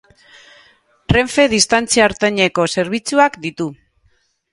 Renfe Distantzia Ertaineko zerbitzuak ditu.